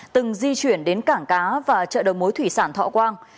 từng di chuyển đến cảng cá và trợ đồng mối thủy sản thọ quang